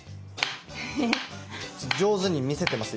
上手に見せてます